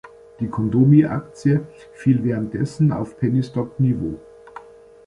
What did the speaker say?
Die condomi-Aktie fiel währenddessen auf Pennystock-Niveau.